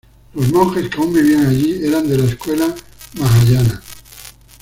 Los monjes que aún vivían allí eran de la escuela mahāyāna.